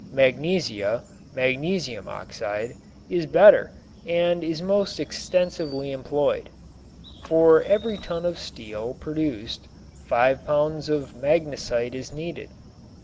Magnesia (magnesium oxide) is better and is most extensively employed. For every ton of steel produced five pounds of magnesite is needed.